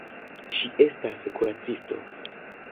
Ŝi estas kuracisto.